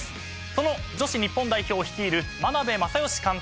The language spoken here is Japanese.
その女子日本代表を率いる眞鍋政義監督。